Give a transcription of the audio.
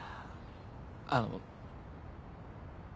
あの。